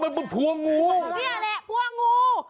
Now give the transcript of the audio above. มันเป็นพัวงูเหี้ยแหละพัวงู